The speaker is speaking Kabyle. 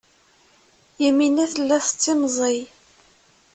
Yamina tella tettimẓiy.